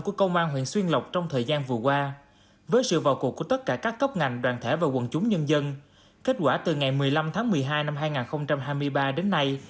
của công an huyện xuân lộc trong thời gian vừa qua với sự vào cuộc của tất cả các cấp ngành đoàn thể và quần chúng nhân dân kết quả từ ngày một mươi năm tháng một mươi hai năm hai nghìn hai mươi ba đến nay